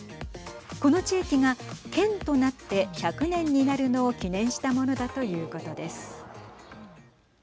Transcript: この地域が県となって１００年になるのを記念したものだということです。